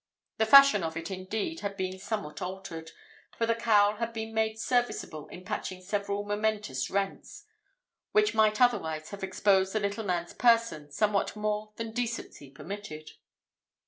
The fashion of it, indeed, had been somewhat altered, for the cowl had been made serviceable in patching several momentous rents, which might otherwise have exposed the little man's person somewhat more than decency permitted.